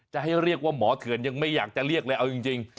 จะให้เรียกว่าหมอเถื่อนยังไม่อยากจะเรียกเลยเอาจริง